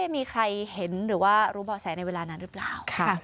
มีใครเห็นหรือว่ารู้เบาะแสในเวลานั้นหรือเปล่า